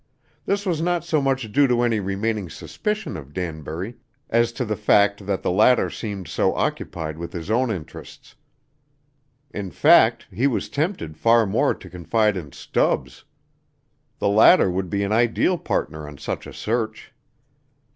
This was not so much due to any remaining suspicion of Danbury as to the fact that the latter seemed so occupied with his own interests. In fact, he was tempted far more to confide in Stubbs. The latter would be an ideal partner on such a search.